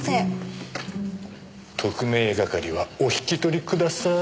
特命係はお引き取りください。